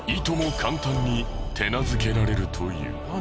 簡単に手なずけられるという。